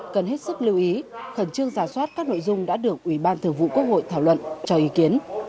cần hết sức lưu ý khẩn trương giả soát các nội dung đã được ủy ban thường vụ quốc hội thảo luận cho ý kiến